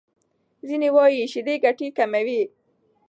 ځینې وايي شیدې ګټې کموي.